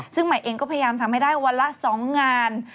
ซึ่งใหม่เองก็พยายามทำให้ได้วันละ๒งาน